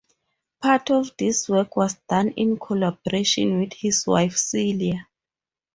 Part of this work was done in collaboration with his wife, Celia.